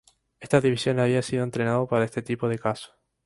Esta división había sido entrenada para este tipo de casos.